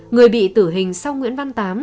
người bị tử hình sau nguyễn văn tám